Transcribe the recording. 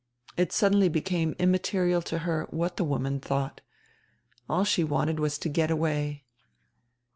It suddenly be came immaterial to her what die woman thought. All she wanted was to get away.